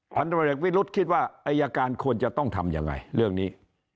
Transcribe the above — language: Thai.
พันธุรกิจวิรุธคิดว่าอายการควรจะต้องทำยังไงเรื่องนี้